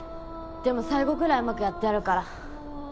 でも最後ぐらいうまくやってやるから。